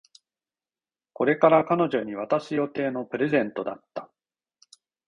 これから彼女に渡す予定のプレゼントだった